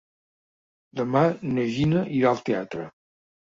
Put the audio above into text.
Demà na Gina irà al teatre.